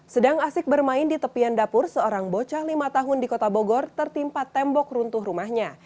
sedang asik bermain di tepian dapur seorang bocah lima tahun di kota bogor tertimpa tembok runtuh rumahnya